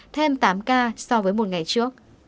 thêm tám ca so với một ngày trước